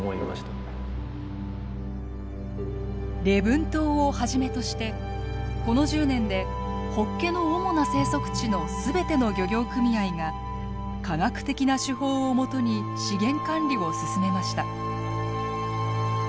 礼文島をはじめとしてこの１０年でホッケの主な生息地の全ての漁業組合が科学的な手法をもとに資源管理を進めました。